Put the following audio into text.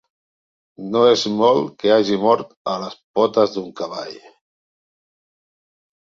...no és molt que hagi mort a les potes d'un cavall.